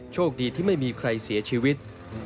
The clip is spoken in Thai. โชคดีที่ไม่มีใครเสียชีวิต